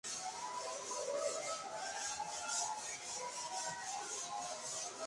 Las versiones originales de "Well Well" y "Kola" están tomadas del álbum Playboys.